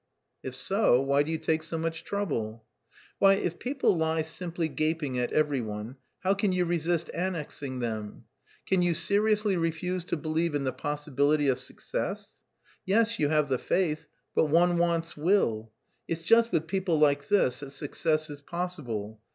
"If so, why do you take so much trouble?" "Why, if people lie simply gaping at every one, how can you resist annexing them? Can you seriously refuse to believe in the possibility of success? Yes, you have the faith, but one wants will. It's just with people like this that success is possible.